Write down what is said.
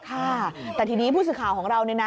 ค่ะแต่ทีนี้ผู้สื่อข่าวของเราเนี่ยนะ